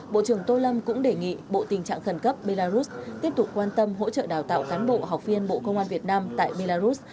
bộ trưởng tô lâm cũng đề nghị bộ tình trạng khẩn cấp belarus tiếp tục quan tâm hỗ trợ đào tạo cán bộ học viên bộ công an việt nam tại belarus